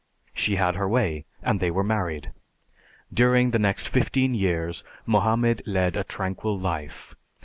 She had her way and they were married. During the next fifteen years Mohammed led a tranquil life.